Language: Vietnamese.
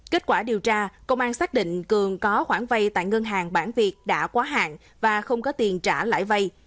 kết quả điều tra công an xác định cường có khoản vay tại ngân hàng bản việc đã quá hạn và không có tiền trả lại vay